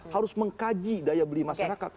harus mengkaji daya beli masyarakat